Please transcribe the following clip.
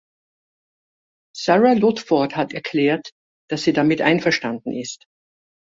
Sarah Ludford hat erklärt, dass sie damit einverstanden ist.